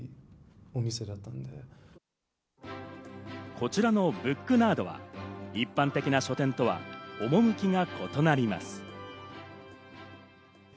こちらのブックナードは一般的な書店とは趣が異なります。